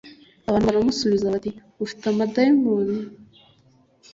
abantu baramusubiza bati ufite dayimoni